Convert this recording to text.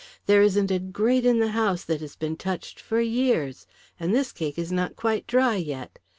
"There isn't a grate in the house that has been touched for years. And this cake is not quite dry yet.